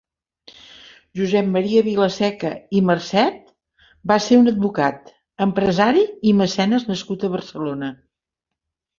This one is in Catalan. Josep Maria Vilaseca i Marcet va ser un advocat, empresari i mecenes nascut a Barcelona.